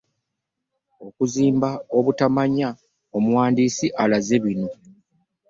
Okuzimba obutamanya omuwandiisi alaze bino.